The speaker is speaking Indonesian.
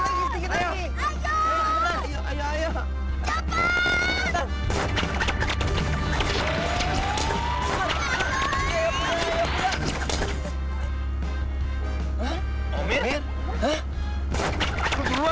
saat ini barangnya tergesa gesa bukan berubah pubah